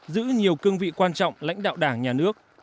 giữ nhiều cương vị quan trọng lãnh đạo đảng nhà nước